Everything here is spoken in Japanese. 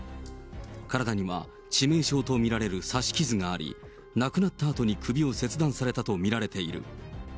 体には致命傷と見られる刺し傷があり、亡くなったあとに首を切断されたと見られている。